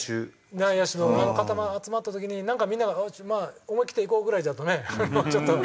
内野手集まった時になんかみんなが思い切っていこうぐらいだとねちょっと失敗するんで。